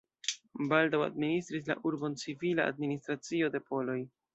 Baldaŭ administris la urbon civila administracio de poloj.